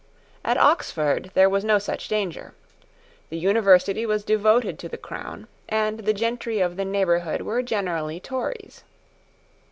At Oxford there was no such danger. The University was devoted to the crown; and the gentry of the neighbourhood were generally Tories.